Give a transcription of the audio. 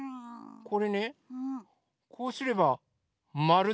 これねこうすればまるでしょ！